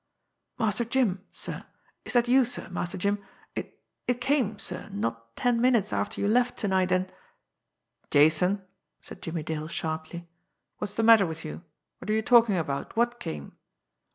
"Master Jim, sir! Is that you, sir, Master Jim! It it came, sir, not ten minutes after you left to night, and " "Jason," said Jimmie Dale sharply, "what's the matter with you? What are you talking about? What came?"